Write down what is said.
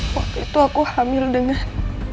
waktu itu aku hamil dengan